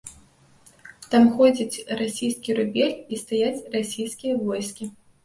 Там ходзіць расійскі рубель і стаяць расійскія войскі.